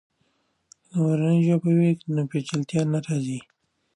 که مورنۍ ژبه وي، نو پیچلتیا نه راځي.